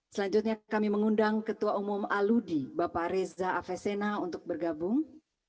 selanjutnya kami mengundang ketua umum aludi bapak reza avesena untuk bergabung